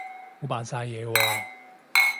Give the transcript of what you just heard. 唔好扮晒嘢喎